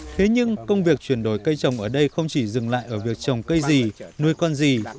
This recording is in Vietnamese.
thế nhưng công việc chuyển đổi cây trồng ở đây không chỉ dừng lại ở việc trồng cây gì nuôi con gì